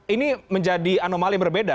ini menjadi anomali berbeda